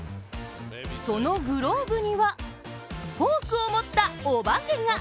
そのグローブにはフォークを持ったお化けが！